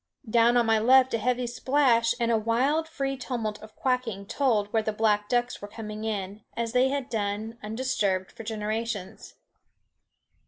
Down on my left a heavy splash and a wild, free tumult of quacking told where the black ducks were coming in, as they had done, undisturbed, for generations.